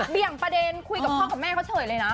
เบี่ยงประเด็นคุยกับพ่อกับแม่เขาเฉยเลยนะ